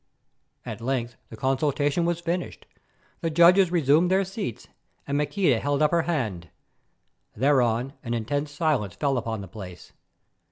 At length the consultation was finished; the judges resumed their seats, and Maqueda held up her hand. Thereon an intense silence fell upon the place.